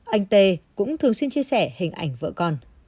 anh tê cũng thường xuyên chia sẻ hình ảnh vợ con